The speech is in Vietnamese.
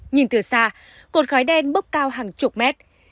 nhìn từ xa cột khói đen bốc cao hàng chục mét